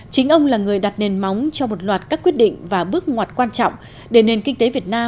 chính ông là người đặt nền móng cho một loạt các quyết định và bước ngoặt quan trọng để nền kinh tế việt nam